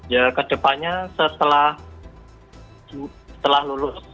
ya kedepannya setelah lulus